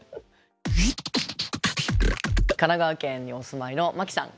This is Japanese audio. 神奈川県にお住まいのマキさん。